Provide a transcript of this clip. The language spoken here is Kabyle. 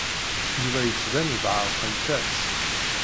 Yuba yettban-d ɛerqent-as.